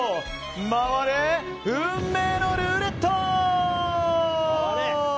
回れ、運命のルーレット！